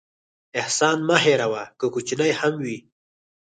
احسان مه هېروه، که کوچنی هم وي.